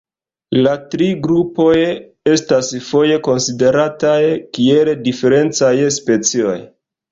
La tri grupoj estas foje konsiderataj kiel diferencaj specioj.